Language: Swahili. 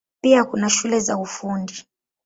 Pia kuna shule za Ufundi.